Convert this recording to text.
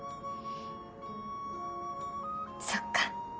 そっか。